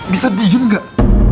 bisa diem gak